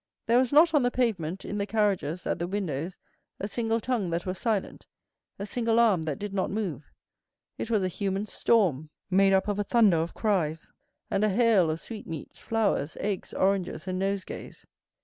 There was not on the pavement, in the carriages, at the windows, a single tongue that was silent, a single arm that did not move. It was a human storm, made up of a thunder of cries, and a hail of sweetmeats, flowers, eggs, oranges, and nosegays.